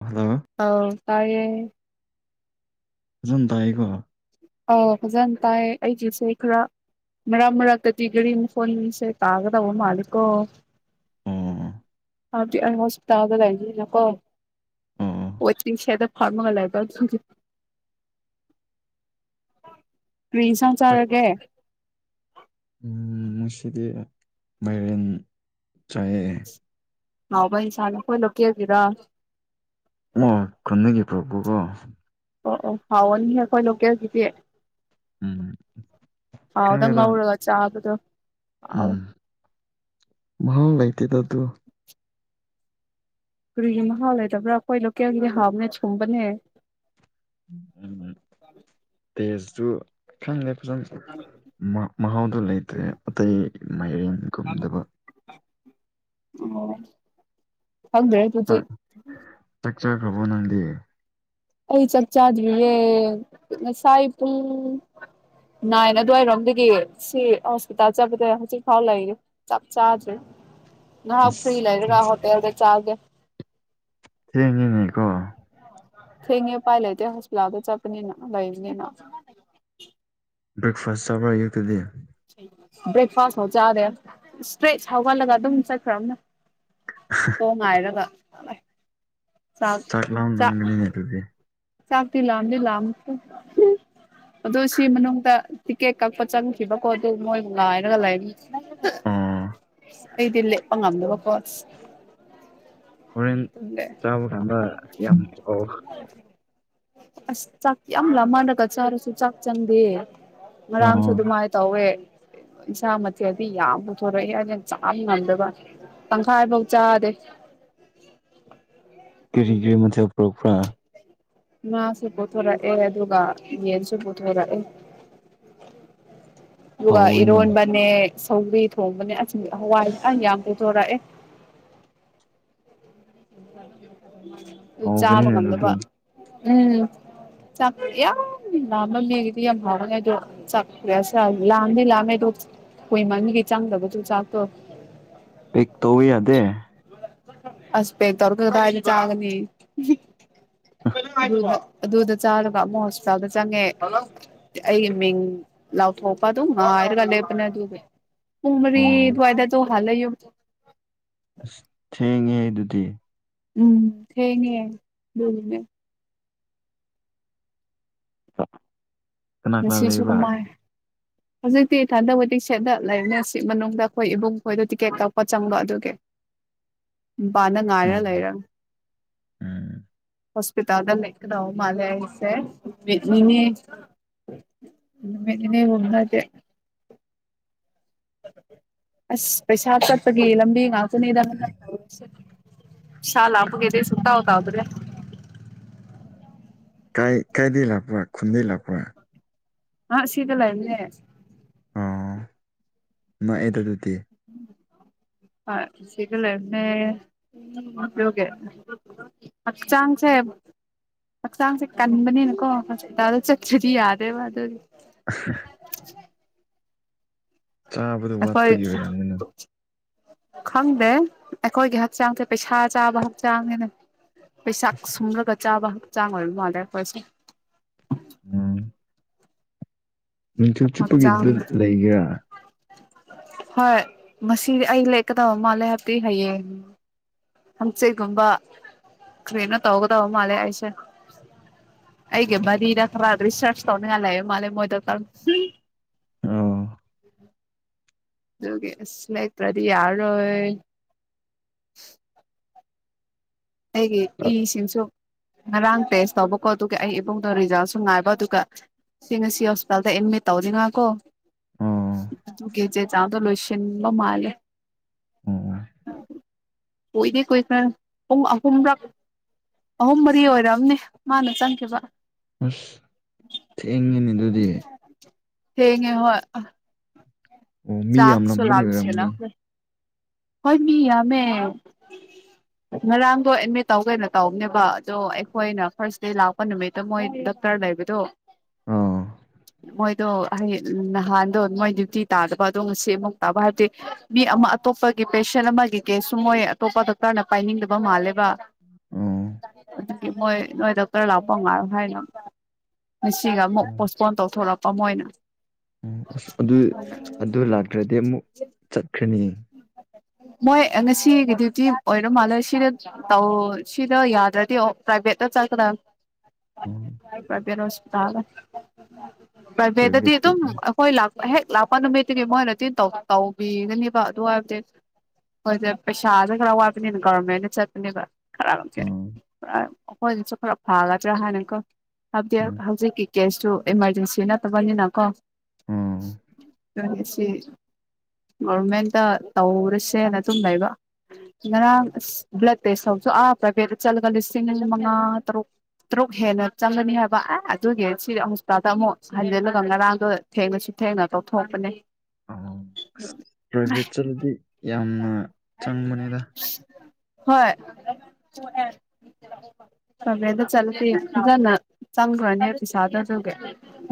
Hello ꯑ ꯀꯥꯏꯌꯦꯦ ꯑꯗꯨꯖꯝ ꯇꯏꯀꯣ ꯑ ꯐꯖꯅ ꯇꯥꯏ ꯑꯩꯒꯤꯁꯦ ꯈꯔ ꯃꯔ ꯃꯔ ꯀ ꯇꯤꯒꯔꯤ ꯐꯣꯟꯁꯦ ꯇꯥꯒꯗ ꯑꯣ ꯃꯥꯂꯤꯀꯣ ꯑꯣ ꯍꯣꯁꯄꯤꯇꯥꯜꯗꯏ ꯀꯣ ꯑꯣ ꯋꯥ ꯆꯤꯡꯁꯗ ꯐꯥꯔꯃꯒ ꯂꯩꯕ [inaudible] ꯔꯔꯤꯟꯁꯥꯎ ꯇꯛ ꯆꯥꯔꯒꯦ ꯎꯝ ꯃꯁꯗꯤ ꯥꯏꯔꯦꯟ ꯆꯥꯏ ꯍꯥꯎꯕꯟꯁꯦ ꯍꯣꯏꯂ ꯀꯦꯒꯔ ꯑꯣ ꯈꯪꯅꯈꯤꯕ ꯄ꯭ꯔꯣꯕꯨꯀꯣ ꯑꯣ ꯑꯣ ꯍꯥꯎꯅꯤꯍꯦ ꯑꯩꯈꯣꯏ ꯂꯣꯀꯦꯜꯒꯤꯗꯤ ꯎꯝ ꯍꯥꯎꯗꯪ ꯈꯪꯗꯦꯗ ꯉꯧꯔꯒ ꯆꯥꯕꯗꯣ ꯍꯥꯎꯋꯦ ꯎꯝ ꯃꯥꯎ ꯂꯩꯏꯇꯦꯗ ꯇꯨ ꯀꯔꯤꯒꯤ ꯃꯍꯥꯎ ꯂꯩꯗꯕ꯭ꯔꯥ ꯑꯩꯈꯣꯏ ꯂꯣꯀꯦꯜꯒꯤꯗꯤ ꯍꯥꯞꯅꯦ ꯁꯨꯝꯕꯅꯦ ꯎ ꯇꯦꯖꯁꯨ ꯈꯪꯗ ꯈꯤꯇꯪ ꯃꯍꯥꯎꯗꯨꯣ ꯂꯩꯇ꯭ꯔꯦ ꯑꯇꯩ ꯃꯥꯏꯔꯦꯡꯒꯨꯝꯗꯕ ꯍꯪ ꯑꯗꯨ ꯀꯥꯛꯆꯈ꯭ꯔꯕꯣ ꯅꯪꯗꯦ ꯑꯩ ꯆꯞ ꯆꯥꯗꯌꯦ ꯁꯥꯏ ꯄꯨꯡ ꯅꯥꯏꯅ ꯑꯗꯨꯋꯥꯏꯔꯣꯝꯗꯒꯤ ꯁꯤ ꯍꯣꯁꯄꯤꯇꯥꯜ ꯆꯠꯄꯗ ꯍꯧꯖꯤꯛ ꯐꯥꯎ ꯂꯩꯔꯤꯦ ꯆꯞ ꯆꯥꯗ꯭ꯔꯦ [inaudible] ꯅ ꯐꯔꯤ ꯑꯁ ꯂꯩꯔꯒꯍ ꯇꯗ ꯆꯥꯒꯦ ꯊꯦꯡꯉꯤꯅꯦꯀꯣ ꯊꯦꯡꯉꯦ ꯎꯄꯥꯏ ꯂꯩꯇꯦ ꯍꯣꯁꯄꯤꯇꯥꯜꯗ ꯆꯠꯄꯅꯤꯅ ꯂꯩꯕꯅꯤꯅ ꯕꯦꯛꯐꯥꯁ ꯆꯕ꯭ꯔ ꯌꯦꯛꯇꯗꯤ ꯕ꯭ꯔꯦꯛꯐꯥꯁ ꯐꯥꯎ ꯆꯥꯗꯦ ꯏꯁꯇ꯭ꯔꯦꯠ ꯍꯧꯒꯠꯂꯒ ꯑꯗꯨꯝ ꯆꯠꯈ꯭ꯔꯕꯅ ꯇꯉꯥꯏꯔꯒꯥꯏ ꯆ ꯆꯥꯛ ꯂꯥꯝꯂꯝꯒꯅꯤꯅꯦ ꯑꯗꯨꯗꯤ ꯆꯥꯛ ꯊꯗꯤ ꯂꯥꯗꯤ ꯂ ꯑꯗꯨ ꯁꯤ ꯃꯅꯨꯡꯗ ꯇꯤꯀꯦꯠ ꯀꯛꯄ ꯆꯪꯈꯤꯕꯀꯣ ꯑꯗꯨ ꯃꯣꯏꯕꯨ ꯂꯥꯏꯔꯒ ꯂꯩ ꯑꯣ ꯏꯗꯤ ꯂꯩꯦ ꯄ ꯉꯝꯗ ꯋꯥꯀꯣ ꯍꯣꯔꯦꯟ ꯆꯥꯕ ꯀꯥꯟꯗ ꯌꯥꯝ ꯐ ꯑꯁ ꯆꯥꯛ ꯌꯥꯝ ꯂ ꯃꯥꯟꯅꯂꯒ ꯆꯥꯔꯁꯨ ꯆꯥꯛ ꯆꯪꯗꯦ ꯉꯥꯡꯁꯨ ꯑꯣ ꯑꯗꯨꯃꯥꯏ ꯇꯧꯋꯦ ꯆ ꯃ ꯑꯗꯤ ꯌꯥ ꯌꯥꯝꯕꯨ ꯊꯔ ꯆ ꯅꯗꯕ ꯇꯪꯈꯥꯏ ꯐꯧ ꯆꯥꯗꯦ [inaudible] ꯑꯗꯨꯒꯤ ꯀꯤꯔꯒꯤ ꯃꯁꯤꯦꯜ ꯐ ꯐ ꯉꯥꯁꯨ ꯄꯨꯊꯣꯔꯛꯑꯦ ꯑꯗꯨꯒ ꯌꯦꯟꯁꯨ ꯄꯨꯊꯣꯔꯛꯑꯦ [inaudible] ꯍꯨꯕ ꯍꯥꯎꯋꯦꯅꯦ ꯏꯔꯣꯟꯕꯅꯦ ꯁꯪꯒꯔꯤ ꯊꯣꯡꯕꯅꯦ ꯑ ꯍꯋꯥꯏ ꯌꯥꯝ ꯄꯨꯊꯣꯔꯛꯑꯦ ꯆꯥꯕ ꯍꯥꯎꯕꯅꯤꯅꯦ ꯑꯗꯨꯗꯤ ꯀꯗꯕ ꯎꯝ ꯆꯄꯤ ꯌꯥꯝ ꯂꯃ ꯃꯤꯒꯤꯗꯤ ꯌꯥꯝ ꯍꯥꯎꯅꯦꯗꯨ ꯆꯄꯤꯁ ꯂꯥꯗꯤ ꯂꯃꯦꯗꯨ ꯑꯩꯣꯏ ꯃꯃꯤꯒꯤ ꯆꯥꯡꯗꯕꯁꯨ ꯆꯥꯛꯇꯣ ꯄꯤꯛ ꯇꯧꯋꯤ ꯑꯗꯦ ꯑꯁꯄꯦ ꯇꯧꯔ ꯀ ꯇ ꯆꯥꯒꯅꯤ ꯑꯗꯨꯗ ꯆꯥꯔꯒ ꯑꯃꯨꯛ ꯍꯣꯁꯄꯤꯇꯥꯜꯗ ꯆꯪꯉꯦ ꯑꯩꯒꯤ ꯃꯤꯡ ꯂꯥꯎꯊꯣꯛꯄ ꯑꯗꯨꯝ ꯉ ꯍꯥꯏꯔꯒ ꯂꯦꯞꯄꯅꯦ ꯑꯗꯨꯒꯤ ꯎꯃꯔꯤ ꯑꯣ ꯑꯗꯨꯋꯥꯏꯗꯗ ꯍꯂ ꯌꯕ ꯊꯦꯡꯉꯦ ꯑꯗꯨꯗꯤ ꯎꯝ ꯊꯩꯅꯤ ꯀꯅꯥ ꯉ ꯀꯅꯥ ꯁꯤꯁꯨ ꯂꯩꯕ ꯀꯃꯥꯏ [inaudible] ꯍꯧꯖꯤꯛꯇꯤ ꯊꯟꯗꯛ ꯋꯦꯗꯤꯤꯡ ꯁꯦꯠꯠꯇ ꯂꯩꯔꯤꯅꯦ ꯁꯤ ꯃꯅꯨꯡꯗ ꯑꯩꯈꯣꯏ ꯏꯕꯨꯡ ꯈꯣꯏꯗꯣ ꯇꯤꯛꯀꯦꯠ ꯀꯛꯄ ꯆꯪꯂꯣ ꯑꯗꯨꯒꯤ [inaudible] ꯃꯄꯥꯥꯟꯗ ꯉꯥꯏꯔꯒ ꯂꯩꯔ ꯍꯣꯁꯄꯤꯇꯥꯜꯗ ꯂꯩ ꯅꯎ ꯃꯥꯂ ꯍꯥꯏꯁꯦꯅꯦ ꯃꯗꯤꯅꯦ ꯅ ꯑꯁ ꯄꯩꯁꯥ ꯆꯠꯄꯒꯤ ꯂꯝꯕꯤ ꯉꯥꯛꯇꯅꯤꯗꯟꯅ ꯁꯂ ꯍꯥꯄꯒꯦꯗꯤ ꯁꯛꯇ ꯍꯗꯗ꯭ꯔꯦ ꯀꯥꯏ ꯀꯥꯏꯗ ꯂꯥꯛꯄꯋꯥ ꯈꯨꯨꯟꯗꯤ ꯂꯋꯥ ꯑ ꯁꯤꯒꯂ ꯏꯃꯦ ꯑ ꯅ ꯑꯦꯇꯗꯨꯗꯤ ꯑ ꯁꯤꯒꯂ ꯏꯃꯦ ꯌꯒꯦ ꯆꯥꯡꯁꯦ ꯍꯛꯆꯥꯡꯁꯦ ꯀꯟꯕꯅꯤꯅꯀꯣ ꯍꯣꯁꯄꯤꯇꯥꯜꯗꯣ ꯆꯠ꯭ꯔꯗꯤ ꯌꯥꯗꯦꯕ ꯑꯗꯨꯗꯤ ꯆꯥꯕꯗꯣ ꯑꯐꯣꯏ ꯋꯥꯠꯄꯒꯤ ꯑꯣꯏꯔꯝꯒꯅꯤ ꯈꯪꯗꯦ ꯑꯩꯈꯣꯏꯒꯤ ꯍꯛꯆꯥꯡꯁꯦ ꯄꯩꯁꯥ ꯆꯥꯕ ꯍꯛꯆꯥꯡꯅꯦꯅ ꯄꯩꯁꯥ ꯁꯨꯝꯔꯒ ꯆꯥꯕ ꯍꯛꯆꯥꯡ ꯑꯣꯏ ꯃꯥꯜꯂꯦ ꯑꯩꯈꯣꯏꯁꯨ ꯅꯨꯡꯆꯨꯞ ꯍꯛꯆꯥꯡ ꯆꯨꯞꯄꯒꯤꯗꯨ ꯂꯩꯒꯦꯔꯥ ꯍꯣꯏ ꯃꯁꯤꯗꯤ ꯑꯩ ꯂꯦꯛꯀꯗꯕ ꯃꯥꯜꯂꯦ ꯍꯥꯏꯕꯗꯤ ꯍꯌꯦꯡ ꯍꯪꯁꯤꯒꯨꯝꯕ ꯀꯅ ꯇꯒꯗꯕ ꯃꯥꯂꯦ ꯍꯥꯏꯁꯦ ꯑꯩꯒ ꯔꯤ ꯏꯔꯠꯇꯔꯤꯁꯁ ꯇꯧꯅꯤꯡꯒꯂꯑ ꯃꯥꯂ ꯃꯣꯏꯗ ꯇ ꯑꯣ ꯀꯦꯁ ꯂꯩ ꯄꯗꯤ ꯌꯥꯔ ꯑꯣꯏꯣꯏ [inaudible] ꯑꯩꯒꯤ ꯏ ꯁꯤꯟꯁꯨ ꯉꯔꯥꯡ ꯇꯦꯁ ꯇꯧꯕꯀꯣ ꯑꯗꯨꯒ ꯑꯩ ꯏꯕꯨꯡꯗꯣ ꯔꯤꯖꯜꯁꯨ ꯉꯥꯏꯕ ꯑꯗꯨꯒ ꯁꯤ ꯉꯁꯤ ꯍꯣꯁꯄꯤꯇꯥꯜꯗ ꯑꯦꯗꯃꯤꯠ ꯇꯧꯔꯤ ꯉꯥꯀꯣ ꯑꯣ ꯇ ꯀꯦꯖꯦ ꯆꯗꯣ ꯂꯣꯏꯁꯤꯂꯣ ꯃꯥꯂꯦ ꯑꯣ ꯑꯣꯏꯣꯏꯅꯦ ꯀꯣꯏ ꯀ ꯄꯨꯡ ꯑꯍꯨꯝꯔꯛ ꯑꯍꯨꯝ ꯃꯔꯤ ꯑꯣꯏꯔꯑꯝꯅꯦ ꯃꯥꯅ ꯆꯟꯈꯤꯕ ꯑꯁ ꯊꯦꯡꯉꯤꯅꯤ ꯑꯗꯨꯗꯤ ꯍꯦꯡꯉꯦ ꯍꯣꯏ ꯑꯣ ꯃꯤ ꯌꯥꯝꯂꯝꯒꯅꯤ ꯑꯣꯏꯔꯝꯒꯅꯤ ꯍꯣꯏꯅꯤ ꯑꯃꯦ ꯉꯔꯥꯡꯗꯣ ꯑꯦꯗꯃꯤꯠ ꯇꯧ ꯀꯩꯅꯣ ꯇꯧꯕꯅꯦꯕ ꯑꯗꯣ ꯑꯩꯈꯣꯏꯅ ꯐꯥꯔꯁ ꯗꯦ ꯂꯥꯛꯄ ꯅꯨꯃꯤꯠꯇ ꯃꯣꯏ ꯂꯕ ꯇꯣ ꯑꯣ ꯃꯣꯏ ꯑꯗꯣ ꯑꯩ ꯅꯍꯥꯟꯗꯣ ꯃꯣꯏ ꯗ꯭ꯌꯨꯇꯤ ꯇꯥꯗꯕ ꯑꯗꯣ ꯉꯁꯤ ꯑꯃꯨꯛ ꯇꯥꯕ ꯍꯥꯏꯕꯗꯤ ꯃꯤ ꯑꯃ ꯑꯇꯣꯞꯄ ꯒꯤ ꯄꯦꯁꯦꯟ ꯑꯃꯒꯤ ꯀꯦꯁꯁꯨ ꯃꯣꯏ ꯑꯇꯣꯞꯄ ꯗꯣꯛꯇꯔꯅ ꯄꯥꯏꯅꯤꯡꯗꯕ ꯃꯥꯜꯂꯦꯕ ꯑꯣ ꯑꯗꯨꯒꯤ ꯃꯣꯏ ꯅꯣꯏꯗ ꯈꯔ ꯂꯥꯛꯄ ꯉꯥꯏꯔꯣ ꯍꯥꯏꯅ ꯉꯁꯤꯒ ꯑꯃꯨꯛ ꯄꯣꯁꯄꯣꯟ ꯇꯧꯊꯣꯔꯛꯄ ꯃꯣꯏꯅ ꯑꯣ ꯑꯁ ꯑꯗꯨ ꯑꯗꯨ ꯂꯥꯛꯇ꯭ꯔꯗꯤ ꯑꯃꯨꯛ ꯆꯠꯈ꯭ꯔꯅꯤ ꯃꯣꯏ ꯉꯁꯤꯒꯤ ꯗ꯭ꯌꯨꯇꯤ ꯑꯣꯏꯔ ꯃꯥꯜꯂꯦ ꯁꯤꯗ ꯇꯧ ꯁꯤꯗ ꯌꯥꯗ꯭ꯔꯗꯤ ꯑꯣ ꯄ꯭ꯔꯥꯏꯚꯦꯠ ꯆꯥꯛꯈꯗꯥ ꯎꯝ ꯄꯚꯦ ꯅꯄꯤꯇꯥ ꯄꯕꯗꯗꯤ ꯄ꯭ꯔꯥꯏꯚꯦꯠ ꯑꯗꯨ ꯆꯠꯂꯦ ꯍꯣꯏ ꯂꯥꯛ ꯍꯦꯛ ꯂꯥꯛꯄ ꯅꯨꯃꯤꯠꯇꯨꯒꯤ ꯃꯣꯏꯅ ꯇꯤꯟ ꯇꯧꯕꯤꯒꯅꯦꯕ ꯑꯗꯨ ꯍꯥꯏꯕꯗꯤ ꯍꯣꯏꯁ ꯄꯩꯁꯥꯥꯁꯦ ꯈꯔ ꯋꯥꯠꯄꯅꯤꯅ ꯒꯕꯔꯃꯦꯦꯟꯟꯅ ꯆꯠꯄꯅꯦꯕ ꯈꯔꯒꯝꯁ ꯎꯝ ꯑꯩꯈꯣꯏꯅꯁꯨ ꯄꯨꯔ ꯐꯥꯒꯗ꯭ꯔꯥ ꯍꯥꯏꯅꯀ ꯍꯥꯏꯕꯗꯤ ꯎꯝ ꯍꯧꯖꯤꯛꯀꯤ ꯀꯦꯁꯁꯨꯨ ꯏꯃꯥꯔꯖꯦꯟꯁꯤ ꯅꯠꯇꯕꯅꯤꯅ ꯀꯣ ꯎꯝ ꯁꯤ ꯃꯦꯟ ꯇ ꯇꯧꯔꯁꯦꯅ ꯑꯗꯨꯨꯝ ꯂꯩꯕ ꯉꯔꯥꯡ ꯕ꯭ꯂꯠ ꯁꯁꯨ ꯄꯔ ꯐꯦꯔ ꯆꯂꯒ ꯂꯤꯁꯤꯡ ꯃꯉ ꯇꯔꯣ ꯇꯔꯨꯛ ꯍꯦꯟꯅ ꯆꯪꯒꯅꯤ ꯍꯥꯏꯕ ꯑꯦ ꯑꯗꯨꯒꯤ ꯁꯤ ꯍꯣꯁꯄꯤꯇꯥꯜꯗ ꯑꯃꯨꯛ ꯍꯟꯖꯤꯜꯂꯒ ꯉꯔꯥꯡꯒ ꯊꯦꯡꯅꯁꯤ ꯊꯅ ꯇꯧ ꯊꯣꯛꯔꯄꯅꯦ ꯑ ꯑꯁ ꯄ꯭ꯔꯥꯏꯚꯦꯠ ꯆꯠꯂꯗꯤ ꯌꯥꯝꯅ ꯆꯪꯕꯅꯤꯗ ꯍꯣꯏ ꯕꯦꯗ ꯆꯂ ꯏꯅ ꯆꯪꯒ ꯑꯅꯤ ꯄꯁꯗ ꯑꯗꯨꯒꯦ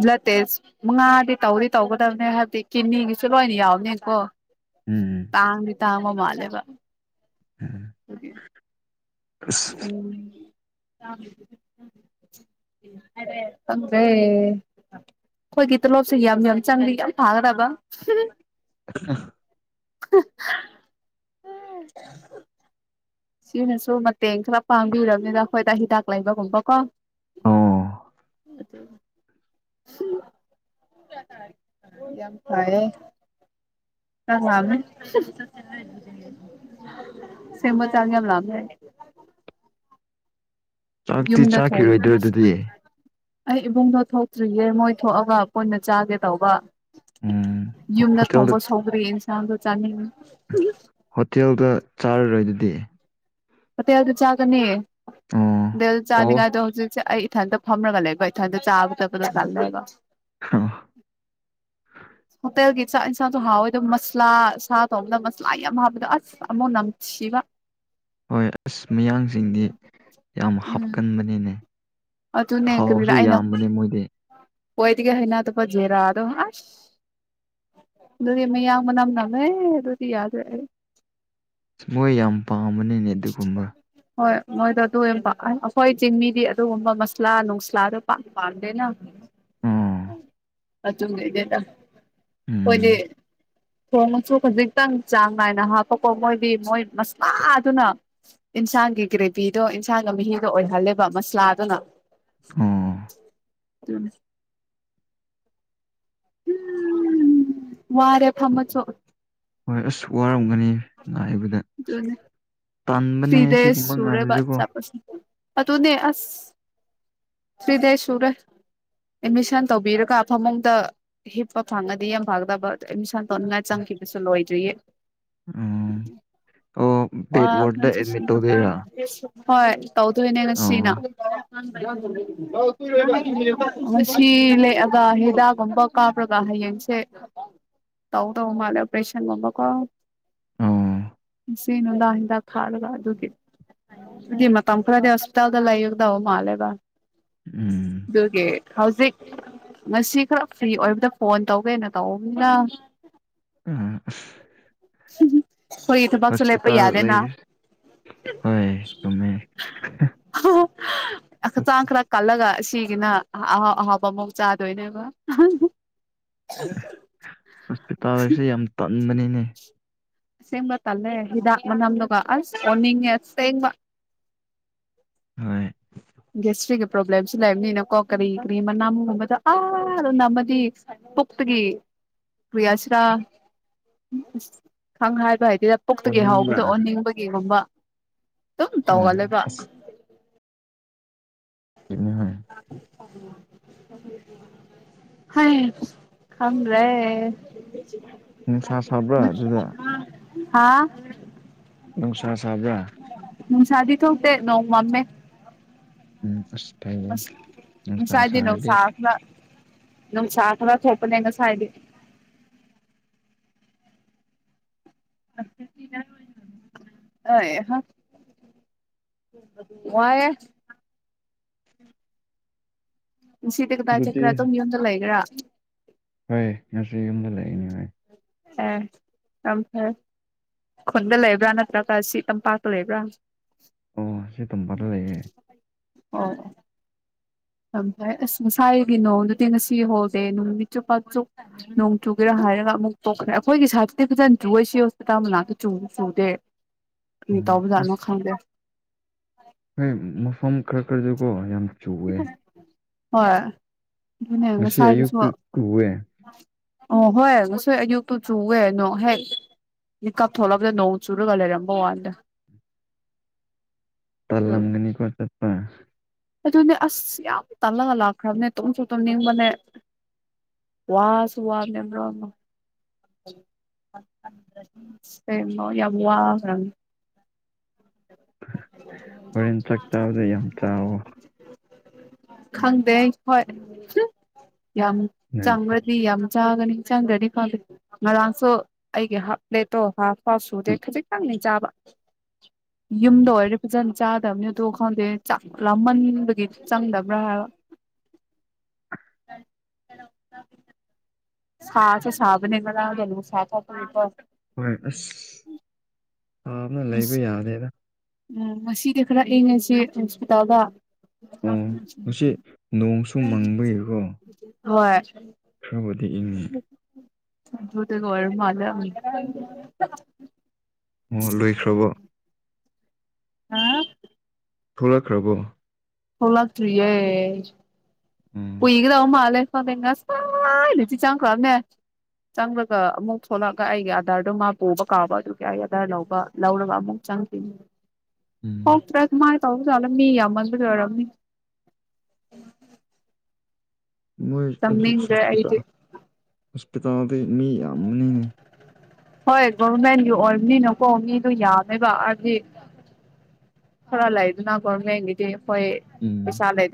ꯕ꯭ꯂꯗ ꯇꯦꯁ ꯃꯉꯥꯗꯤ ꯇꯧꯗꯤ ꯇꯧꯒꯗꯕꯅꯦ ꯍꯥꯏꯕꯗꯤ ꯀꯤꯅꯤꯒꯤꯁꯨ ꯂꯣꯏꯅ ꯌꯥꯎꯅꯤ ꯀꯣ ꯎꯝ ꯇꯥꯡꯕꯤ ꯇꯥꯡꯒꯣ ꯃꯥꯂꯦꯕ ꯎꯝ ꯑꯁ ꯎ ꯑꯦ ꯑꯩꯈꯣꯏꯒꯤ ꯇꯣꯂꯣꯞꯁꯤ ꯌꯥꯝ ꯌꯥꯝ ꯆꯪꯂꯤ ꯌꯥꯝ ꯐꯥꯒꯗꯕ ꯑ ꯎꯝ ꯁꯤꯅꯁꯨ ꯃꯇꯦꯡ ꯈꯔ ꯄꯥꯡꯕꯤꯔꯕꯅꯤꯅ ꯑꯩꯈꯣꯏꯗ ꯍꯤꯗꯥꯛ ꯂꯩꯕꯒꯨꯝꯕꯀꯣ ꯑꯣ ꯑꯗꯨ ꯍ ꯀ ꯁꯦꯃ ꯆꯥꯡ ꯑꯃ ꯂꯂ ꯆꯥꯛꯇꯤ ꯌꯨꯝꯗ ꯊꯣꯡ ꯆꯥꯈꯤꯔꯣꯏꯗ꯭ꯔꯣ ꯑꯗꯨꯗꯤ ꯑꯩ ꯏꯕꯨꯡꯗꯣ ꯊꯣꯛꯇ꯭ꯔꯤꯌꯦꯦ ꯃꯣꯏ ꯊꯣꯛꯑꯒ ꯀꯣꯏꯅ ꯆꯥꯒꯦ ꯇꯧꯕ ꯎꯝ ꯌꯨꯝꯗ ꯍꯣꯇꯦꯜꯗ ꯊꯣꯡꯕ ꯁꯧꯗ꯭ꯔꯦ ꯏꯟꯁꯥꯡꯗꯣ ꯆꯥꯅꯤꯡꯉꯤ ꯍꯣꯇꯦꯜꯗ ꯆꯥꯔꯔꯣꯏ ꯑꯗꯨꯗꯤ ꯍꯊꯦꯜꯗ ꯆꯥꯒꯅꯤ ꯑꯣ ꯗꯦꯜꯗ ꯑꯣ ꯆꯥꯅꯤꯡꯉꯥꯏꯗꯣ ꯍꯧꯖꯤꯛꯁꯦ ꯑꯩ ꯏꯊꯅꯗ ꯐꯝꯅꯒ ꯂꯩꯦꯕꯣ ꯏꯊꯣꯏꯅꯣ ꯆꯥꯕꯨ ꯆ ꯄꯨꯂꯥꯜꯂ ꯂꯩꯒꯣ ꯎꯄꯒꯤ ꯆꯥꯛ ꯏꯟꯁꯥꯡꯁꯨ ꯍꯥꯎꯋꯦꯗꯣ ꯃꯁꯂꯥ ꯁꯥ ꯊꯣꯡꯕꯗ ꯃꯁꯂꯥ ꯌꯥꯝ ꯍꯥꯞꯄꯗꯣ ꯑꯁ ꯑꯃꯨꯛ ꯅꯝꯁꯤꯕ ꯍꯣꯏ ꯑꯁ ꯃꯌꯥꯡꯁꯤꯡꯗꯤ ꯌꯥꯝ ꯎꯝ ꯍꯥꯞꯀꯟꯕꯅꯤꯅꯦ ꯑꯗꯨꯅꯦ ꯊꯥꯎꯁꯨ ꯌꯥꯝꯕꯅꯦ ꯃꯣꯏꯗꯤ ꯍꯣꯏꯇꯒ ꯍꯩꯅ ꯑꯗꯨ ꯄ ꯖꯦꯔꯥ ꯑꯗꯣ ꯑꯗꯨꯗꯤ ꯃꯌꯥꯡ ꯃꯅꯝ ꯅꯝꯃꯦ ꯑꯗꯨꯗꯤ ꯌꯥꯗ꯭ꯔꯦ ꯃꯣꯏ ꯌꯥꯝ ꯄꯥꯝꯕꯅꯤꯅꯦ ꯑꯗꯨꯒꯨꯝꯕ ꯍꯣꯏ ꯃꯣꯏꯗꯣ ꯑꯗꯨꯕ ꯑꯩꯈꯣꯏ ꯆꯤꯡꯃꯤꯗꯤ ꯑꯗꯨꯒꯨꯝꯕ ꯃꯁꯂꯥ ꯅꯅꯨꯡꯁꯂꯥꯗ ꯄ ꯄꯥꯗꯅ ꯑꯣ ꯑꯆ ꯀꯗꯦꯗꯣꯏꯗꯤ ꯎꯝ ꯊꯣꯡꯉꯁꯨ ꯈꯖꯤꯛꯇꯪ ꯆꯥꯡ ꯅꯥꯏꯅ ꯍꯥꯞꯄꯀꯣ ꯃꯣꯏꯗꯤ ꯃꯣꯏ ꯃꯁꯥꯗꯨꯅ ꯏꯟꯁꯥꯡ ꯑꯉꯥꯡꯒꯤ ꯒ꯭ꯔꯦꯚꯤꯗꯣ ꯏꯟꯁꯥꯡꯒ ꯃꯍꯤꯒ ꯑꯣꯏꯍꯜꯂꯦꯕ ꯃꯁꯂꯥꯗꯨꯅ ꯑꯣ ꯠꯇꯅꯤ ꯋꯥꯔꯦ ꯐꯃ ꯆ ꯍꯣꯏ ꯑꯁ ꯋꯥꯔꯝꯒꯅꯤ ꯉꯥꯏꯕꯗ ꯑꯁ ꯇꯥꯟꯕꯅꯦ ꯁꯤꯤꯗꯦ ꯁꯤꯒꯨꯝꯕ ꯁꯔꯦ ꯉꯥꯏꯕꯁꯦꯀꯣ ꯆꯥ ꯄꯁ ꯑ ꯇꯣꯅꯦ ꯑꯁ ꯁ꯭ꯔꯤꯗꯁꯔꯦ ꯑꯦꯠꯃꯤꯁꯟ ꯇꯧꯕꯤꯔꯒ ꯑꯐꯃꯗ ꯍꯤꯞꯄ ꯐꯪꯉꯗꯤ ꯌꯥꯝ ꯐꯪꯒꯗꯕ ꯑꯣ ꯑꯦꯗꯃꯤꯁꯟ ꯇꯧꯅꯤꯡꯉꯥꯏ ꯆꯪꯉ ꯄꯁꯨ ꯂꯏꯖꯣꯏꯌꯦ ꯎꯝ ꯑꯣ ꯦꯠ ꯋꯥꯕꯅ ꯍꯣꯏ ꯇꯧꯊꯅꯦ ꯅꯁꯤꯅ ꯑꯣ ꯉ ꯂꯦꯛꯑꯒ ꯍꯤꯗꯥꯛꯒꯨꯝꯕ ꯀꯥꯞꯔꯒ ꯍꯌꯦꯡꯁꯦ ꯇꯧ ꯇꯧ ꯃꯥꯜꯂꯦ ꯑꯣꯄꯔꯦꯁꯟꯒꯨꯝꯕꯀꯣ ꯑꯣ ꯁꯤꯅꯅꯨꯡ ꯂ ꯍꯗ ꯈꯥ ꯑꯗꯨꯒꯤ ꯑꯗꯨꯃ ꯇ ꯐꯔꯗ ꯍꯣꯁꯄꯤꯇꯥꯜꯗ ꯂꯩꯥꯏ ꯌꯒꯗ ꯃꯥꯂꯦꯕ ꯎꯝ ꯍꯧꯖꯤꯛ ꯉꯁꯤ ꯈꯔ ꯐ꯭ꯔꯤ ꯑꯣꯏꯕꯗ ꯐꯣꯟ ꯇꯧꯒꯦꯅ ꯇꯧꯅꯤꯅ ꯑ ꯍꯣꯏ ꯊꯕꯛꯁꯨ ꯂꯦꯞꯄꯩ ꯌꯥꯗꯦꯅ ꯂꯩ ꯍꯣꯏ ꯆꯨꯝꯃꯦ ꯑ ꯆꯈꯔ ꯀꯂ ꯁꯤꯒꯤꯅ ꯑꯍꯥꯎ ꯑꯍꯥꯎꯕ ꯑꯃꯨꯥꯎ ꯆꯥꯗꯣꯏꯅꯦꯕ ꯍꯣꯁꯄꯤꯇꯥꯜ ꯍꯥꯏꯁꯦ ꯌꯥꯝ ꯇꯟꯕꯅꯤꯅꯦ ꯑꯁꯦꯡꯕ ꯇꯂꯦ ꯍꯤꯗꯥꯛ ꯃꯅꯥꯝ ꯂꯒ ꯑꯅꯤꯡ ꯑꯁꯦꯡꯕ ꯍ ꯒꯦꯁꯇ꯭ꯔꯤꯒꯤ ꯄ꯭ꯔꯣꯕ꯭ꯂꯦꯝꯁꯨ ꯂꯩꯕꯅꯤꯅꯀꯣ ꯀꯔꯤ ꯀꯔꯤ ꯃꯅꯥꯝꯒꯨꯝꯕꯗ ꯑꯅ ꯑꯃꯗꯤ ꯄꯨꯛꯇꯒꯤ ꯀ꯭ꯔꯤꯌꯥꯁꯤꯔꯥ ꯈꯪ ꯍꯥꯏꯕ ꯍꯥꯏ ꯍꯗ ꯄꯨꯣꯛꯛꯇꯒꯤ ꯑꯣꯅꯤꯡꯕ꯭ꯔꯥ ꯍꯥꯎꯕꯗꯣ ꯑꯣꯟꯅꯤꯡꯕꯒꯤꯒꯨꯝꯕ ꯑꯗꯨꯝ ꯑꯣ ꯇꯧꯒꯂꯕ ꯑꯁ ꯀꯅꯤ ꯍ ꯍ ꯈ꯭ꯔꯦ ꯅꯨꯡꯁꯥ ꯁꯥꯕ꯭ꯔꯥ ꯑꯗꯨꯗ ꯍꯥꯥ ꯅꯨꯡꯁꯥ ꯁꯥꯕ꯭ꯔꯥ ꯇꯇꯦ ꯅꯣ ꯃꯃꯦ ꯎꯝ ꯐ ꯃꯁ ꯃꯁꯥꯏꯗꯦ ꯅ ꯁꯥꯈꯂ ꯅꯪ ꯆ ꯈꯔ ꯊꯣꯄꯅꯦ ꯌꯦꯒꯁ ꯍꯥꯏꯗꯤ ꯍꯣꯏ ꯋꯥꯏ ꯁꯤꯗꯤ ꯀꯗꯥ ꯑꯗꯨꯗꯤ ꯆꯠꯀ꯭ꯔꯥ ꯑꯗꯨꯣꯝ ꯃꯤ ꯌꯣꯟꯗ ꯂꯩꯕ꯭ꯔꯥ ꯍꯣꯏ ꯉꯁꯤ ꯌꯨꯝꯗ ꯂꯩꯅꯤ ꯍꯣꯏ ꯑꯦꯝ ꯐ ꯈꯨꯟꯗ ꯂꯩꯕ꯭ꯔꯥ ꯅꯠꯇ꯭ꯔꯒ ꯁꯤ ꯇꯝꯄꯥꯛꯇ ꯂꯩꯕ꯭ꯔꯥ ꯑꯣ ꯁꯤ ꯑꯗꯨꯕꯥꯗ ꯂꯩꯌꯦꯦ ꯍ ꯑꯝꯥꯏ ꯑꯁ ꯉꯁꯥꯏꯒꯤ ꯅꯣꯡꯗꯨꯗꯤ ꯉꯁꯤ ꯍꯣꯜꯗꯦ ꯅꯨꯅꯨꯡꯃꯤꯠ ꯆꯨꯞꯄꯥ ꯆ ꯅꯣꯡ ꯆꯨꯒꯦꯔꯥ ꯍꯥꯏꯔꯒ ꯑꯃꯨꯛ ꯇꯣꯛꯈ꯭ꯔꯦ ꯑꯩꯈꯣꯏꯒꯤ ꯁꯥꯏꯠꯇꯤ ꯐꯖꯅ ꯆꯨꯁꯤ ꯍꯣꯁꯄꯤꯇꯥꯜ ꯃꯅꯥꯛꯇ ꯆꯨꯕ ꯆꯨꯗꯦ ꯃꯤ ꯎꯝ ꯇꯎꯕꯨ ꯣ ꯑꯁ ꯈꯪꯗꯦ ꯍꯣꯏ ꯃꯐꯝ ꯈꯔ ꯈꯔꯗꯤꯀꯣ ꯌꯥꯝ ꯆꯨꯑꯦ ꯍꯣꯏ ꯑꯗꯨꯅꯦ ꯉꯁꯥꯏꯗꯨꯁꯨ ꯑꯌꯨꯛꯇꯨ ꯆꯨꯋꯦ ꯑꯣ ꯍꯣꯏ ꯉꯁꯣꯏ ꯑꯌꯨꯛꯇꯨ ꯆꯨꯋꯦ ꯅꯡꯣ ꯍꯦꯛ ꯃꯤꯀꯞ ꯊꯣꯛꯣꯂꯛꯕꯗ ꯅꯣꯡ ꯆꯨꯔꯒ ꯂꯩꯔꯝꯕ ꯋꯥꯅꯤꯗ꯫ [unintelligible] ꯇꯜꯂꯝꯒꯅꯤꯀꫭ ꯆꯠꯄ꯫ ꯑꯗꯨꯅꯦ ꯑꯁ ꯌꯥꯝ ꯇꯥꯜꯂꯒ ꯂꯥꯛꯈ꯭ꯔꯕꯅꯦ ꯇꯨꯝꯁꯨ ꯇꯨꯝꯅꯤꯡꯕꯅꯦ꯫ ꯋꯥꯁꯨ ꯋꯥꯕꯅꯦ ꯃꯔꯣꯃꯗ꯫ ꯍꯣꯔꯦꯟ ꯆꯥꯛ ꯆꯥꯕꯗ ꯌꯥꯝ ꯆꯥꯎꯋꯣ [unintelligible] [unintelligible] ꯈꯪꯗꯦ ꯍꯣꯏ ꯌꯥꯝ ꯆꯪꯔꯗꯤ ꯌꯥꯝ ꯆꯥꯒꯅꯤ ꯆꯪꯒꯅꯤ ꯈꯪꯗꯦ ꯉꯔꯥꯡꯁꯨ ꯑꯩꯒꯤ ꯍꯥꯞ ꯄ꯭ꯂꯦꯠꯇꯣ ꯍꯥꯐ ꯄꯥꯎꯁꯨꯗꯦ ꯈꯖꯤꯛꯇꯪꯅꯦ ꯆꯥꯕ ꯌꯨꯝꯗ ꯑꯣꯏꯔꯗꯤ ꯐꯖꯅ ꯆꯥꯗꯕꯅꯤ ꯑꯗꯨ ꯈꯪꯗꯦ ꯆꯥꯛ ꯂꯥꯃꯟꯕꯒꯤ ꯆꯪꯗꯕ꯭ꯔꯥ ꯍꯥꯏꯕ꯫ [unintelligible] ꯁꯥꯁꯨ ꯁꯥꯕꯅꯤ ꯉꯌꯥꯡꯗꫭ ꯅꯨꯡꯁꯥ ꯊꫭꯛꯄꯒꯤꯀꫭ꯫ ꯍꯣꯏ ꯑꯁ ꯁꯥꯕꯅ ꯂꯩꯕ ꯑꯁ ꯌꯥꯗꯦꯗ꯫ ꯎꯝ ꯉꯁꯤꯗꯤ ꯈꯔ ꯏꯪꯉꯁꯤ ꯍꯣꯁꯄꯤꯇꯥꯜꯗ꯫ ꯑꯣ ꯉꯁꯤ ꯅꯣꯡꯁꯨ ꯃꯥꯡꯕꯒꯤꯀꯣ꯫ ꯍꯣꯏ꯫ ꯈꯔꯕꯨꯗꯤ ꯏꯪꯅꯤ꯫ ꯑꯗꯨꯗꯒ ꯑꫭꯏꯔ ꯃꯥꯜꯂꯦ꯫ ꯑꯣ ꯂꯣꯏꯈ꯭ꯔꯕꯣ꯫ ꯑꯥ꯫ ꯊꯣꯛꯂꯛꯈ꯭ꯔꯕꯣ꯫ ꯊꫭꯛꯂꯛꯇ꯭ꯔꯤꯌꯦ ꯎꯝ ꯀꯨꯏꯒꯗꯕ ꯃꯥꯜꯂꯦ꯫ ꯈꯪꯗꯦ ꯉꯁꯥꯏ ꯂꯨꯆꯤ ꯆꯪꯈ꯭ꯔꯃꯅꯦ꯫ ꯆꯪꯂꯒ ꯑꯃꯨꯛ ꯊꯣꯛꯂꯛꯑꯒ ꯑꯩꯒꯤ ꯑꯙꯥꯔꯗꫭ ꯃꯥ ꯄꯨꯕ ꯀꯥꯎꯕ ꯑꯗꯨꯒꯤ ꯑꯩꯒꯤ ꯑꯙꯥꯔ ꯂꯧꯕ ꯂꯧꯔꯒ ꯑꯃꯨꯛ ꯎꯝ [unintelligible] ꯇꯧ ꯖꯥꯠꯂ ꯃꯤ ꯌꯥꯝꯃꯟꯕꯒꯤ ꯑꯣꯏꯔꯝꯅꯤ꯫ ꯃꯣꯏ ꯑꯗꯨꯁ ꯆꯪꯅꯤꯡꯗ꯭ꯔꯦ ꯍꯣꯁꯄꯤꯇꯥꯜ ꯑꯩꯗꯤ ꯍꯣꯁꯄꯤꯇꯥꯜꯗꯤ ꯃꯤ ꯌꯥꯝꯕꯅꯤꯅꯦ꯫ ꯍꯣꯏ ꯒꯣꯔꯚꯔꯃꯦꯟꯒꯤ ꯑꯣꯏꯕꯅꯤꯅꯀꯣ ꯃꯤꯗꯣ ꯌꯥꯝꯃꯦꯕ ꯍꯥꯏꯗꯤ ꯈꯔ ꯂꯩꯗꯅ ꯒꯣꯔꯃꯦꯟꯒꯤꯗꯤ ꯍꯣꯏ ꯎꯝ ꯄꯩꯁꯥ ꯂꯩꯗ